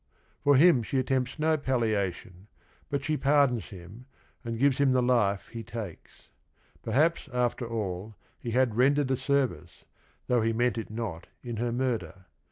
For him she attempts no palliation, but sh e pardons him^aTui gJYft S him the life .hp. ta kes. Perhaps, after all, he had rendered a service, though he meant it not, in her murder.